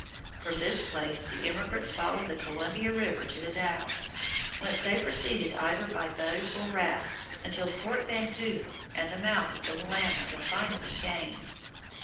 From this place the emigrants followed the Columbia River to The Dalles, whence they proceeded either by boat or raft until Fort Vancouver and the mouth of the Willamette were finally gained.